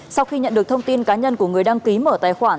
sau khi nhận được thông tin cá nhân của người đăng ký mở tài khoản